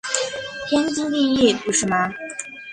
天经地义不是吗？